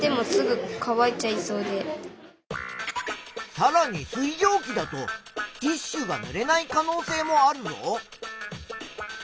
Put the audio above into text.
さらに水蒸気だとティッシュがぬれない可能性もあるぞ。